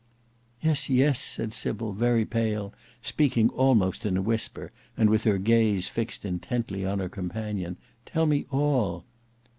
"Yes, yes," said Sybil very pale, speaking almost in a whisper and with her gaze fixed intently on her companion. "Tell me all."